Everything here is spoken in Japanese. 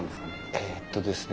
えっとですね